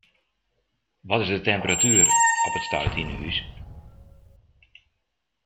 Wat is de temperatuer op it stuit yn 'e hûs?